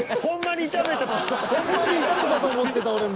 ほんまに痛めたと思ってた俺も。